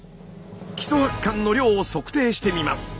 基礎発汗の量を測定してみます。